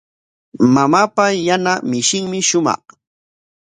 Mamaapa yana mishinmi shumaq.